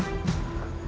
aku tidak tahu